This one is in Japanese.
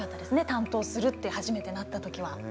担当するって初めてなった時は。